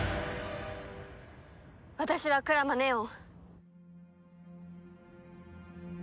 私は鞍馬祢音。